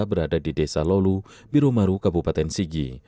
berada di desa lolu biromaru kabupaten sigi